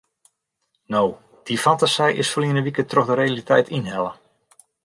No, dy fantasy is ferline wike troch de realiteit ynhelle.